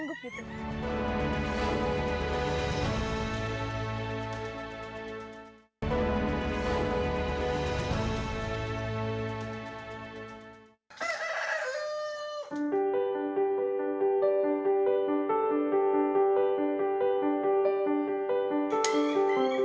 banyak banyak yang minta hiy forme